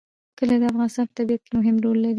کلي د افغانستان په طبیعت کې مهم رول لري.